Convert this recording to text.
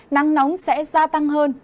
nắng nóng sẽ gia tăng hơn